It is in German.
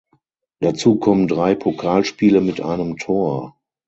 Dazu kommen drei Pokalspiele mit einem Tor.